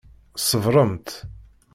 Ṣebṛemt!